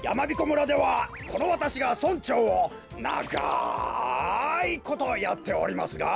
村ではこのわたしが村長をながいことやっておりますが。